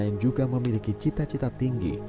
yang juga memiliki cita cita tinggi